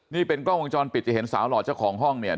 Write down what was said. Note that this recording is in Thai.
นี่เป็นกล้องวงจรปิดจะเห็นสาวหล่อเจ้าของห้องเนี่ย